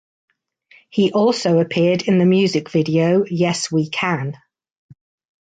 He also appeared in the music video Yes We Can.